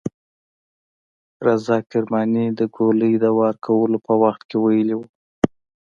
رضا کرماني د ګولۍ د وار کولو په وخت کې ویلي وو.